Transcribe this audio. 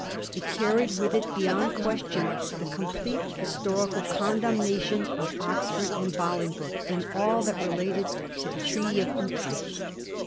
It carried with it, beyond question, the complete historical condemnation of Oxford and Bolingbroke in all that related to the Treaty of Utrecht.